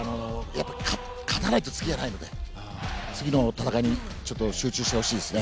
勝たないと次はないので次の戦いに集中してほしいですね。